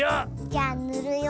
じゃあぬるよ。